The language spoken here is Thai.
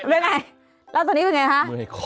รู้ไหมแล้วตรงนี้เป็นยังไงฮะ